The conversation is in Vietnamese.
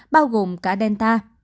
bao gồm cả delta